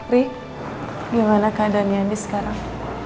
ri gimana keadaannya ini sekarang